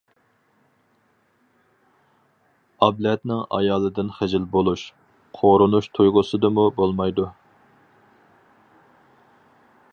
ئابلەتنىڭ ئايالىدىن خىجىل بولۇش، قورۇنۇش تۇيغۇسىدىمۇ بولمايدۇ.